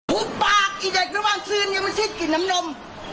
ตุ๊กปากอีเด็กไม่ว่างทีมันชิ้นกลิ่นน้ำนม